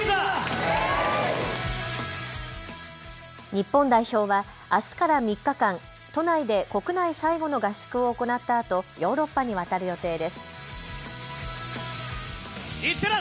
日本代表はあすから３日間、都内で国内最後の合宿を行ったあとヨーロッパに渡る予定です。